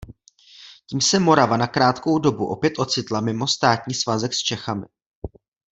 Tím se Morava na krátkou dobu opět ocitla mimo státní svazek s Čechami.